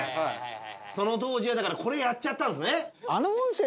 その当時はだからこれやっちゃったんですね。